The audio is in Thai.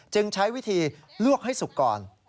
ใช้วิธีลวกให้สุกก่อน